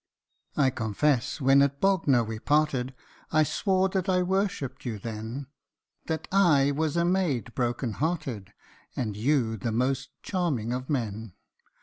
266 FIRST LOVE. I confess, when at Bognor we parted, I swore that I worshipped you then That / was a maid broken hearted, And you the most charming of men.